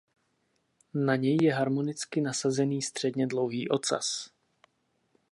Na něj je harmonicky nasazený středně dlouhý ocas.